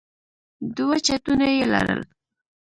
دوه چتونه يې لرل.